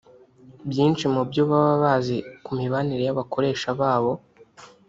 byinshi mu byo baba bazi ku mibanire y’abakoresha babo